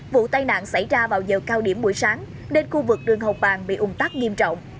vụ tai nạn xảy ra vào giờ cao điểm buổi sáng nên khu vực đường hồng bàng bị ung tắc nghiêm trọng